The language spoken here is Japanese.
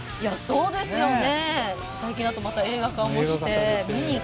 そうなんですよね。